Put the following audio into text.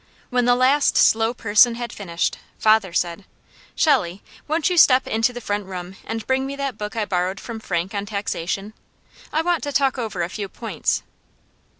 When the last slow person had finished, father said: "Shelley, won't you step into the front room and bring me that book I borrowed from Frank on 'Taxation.' I want to talk over a few points."